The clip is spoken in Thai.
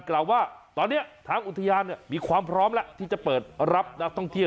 กล่าวว่าตอนนี้ทางอุทยานมีความพร้อมแล้วที่จะเปิดรับนักท่องเที่ยว